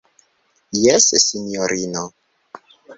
Jes, sinjorino.